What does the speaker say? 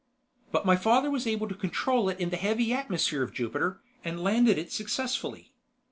"But my father was able to control it in the heavy atmosphere of Jupiter, and landed it successfully.